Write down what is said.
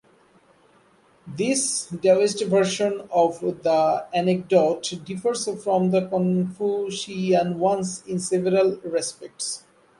This Daoist version of the anecdote differs from the Confucian ones in several respects.